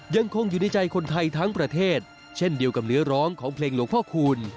ยังคงอยู่ในใจคนไทยทั้งประเทศเช่นเดียวกับเนื้อร้องของเพลงหลวงพ่อคูณ